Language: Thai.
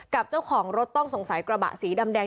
กับเจ้าของรถต้องสงสัยกระบะสีดำแดง